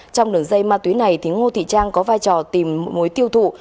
trong đường dây ma túy này ngô thị trang có vai trò tìm mối tiêu thụ